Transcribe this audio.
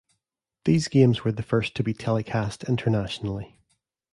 These games were the first to be telecast internationally.